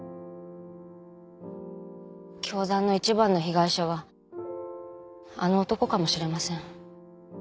教団の一番の被害者はあの男かもしれません。